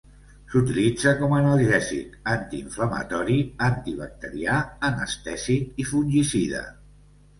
S'utilitza com analgèsic, antiinflamatori, antibacterià, anestèsic i fungicida.